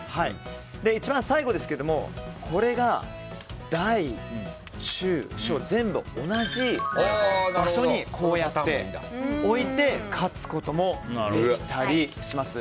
一番最後ですがこれが大・中・小全部、同じ場所に置いて勝つこともできたりします。